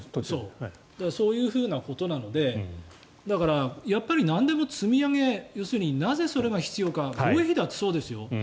そういうことなのでだから、やっぱり何でも積み上げ要するになぜそれが必要か防衛費だってそうですよ。